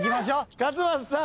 勝俣さん